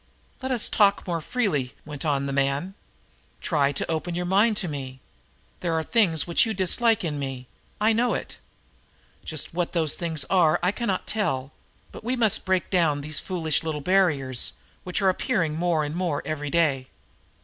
"Let us talk more freely," went on the man. "Try to open your mind to me. There are things which you dislike in me; I know it. Just what those things are I cannot tell, but we must break down these foolish little barriers which are appearing more and more every day.